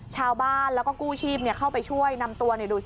ชาวบ้านแล้วก็กู้ชีพเข้าไปช่วยนำตัวดูสิ